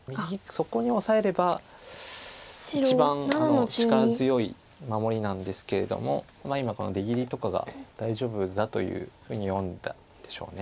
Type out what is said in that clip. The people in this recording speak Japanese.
一番力強い守りなんですけれども今この出切りとかが大丈夫だというふうに読んだんでしょう。